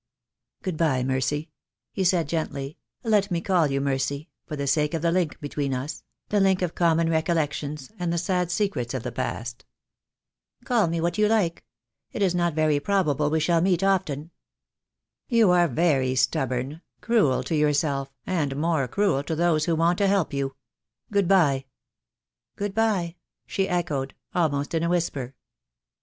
"Good bye, Mercy," he said, gently, "let me call you THE DAY WILL COME. 151 Mercy, for the sake of the link between us — the link of common recollections, and the sad secrets of the past." "Call me what you like. It is not very probable we shall meet often." "You are very stubborn, cruel to yourself, and more cruel to those who want to help you. Good bye." "Good bye," she echoed, almost in a whisper.